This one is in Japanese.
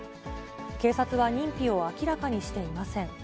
警察は認否を明らかにしていません。